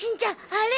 あれ。